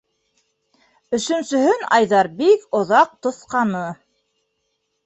Өсөнсөһөн Айҙар бик оҙаҡ тоҫҡаны.